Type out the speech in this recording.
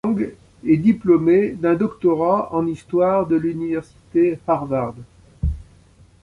Wang est diplômé d'un doctorat en histoire de l'université Harvard.